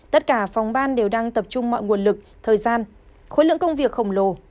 tất cả phòng ban đều đang tập trung mọi nguồn lực thời gian khối lượng công việc khổng lồ